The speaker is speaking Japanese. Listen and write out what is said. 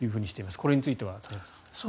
これについては田坂さん。